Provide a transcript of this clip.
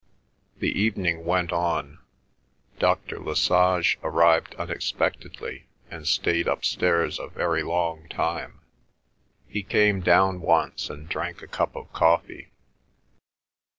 The evening went on. Dr. Lesage arrived unexpectedly, and stayed upstairs a very long time. He came down once and drank a cup of coffee.